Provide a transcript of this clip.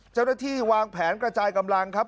เจ้าหน้าที่วางแผนกระจายกำลังครับ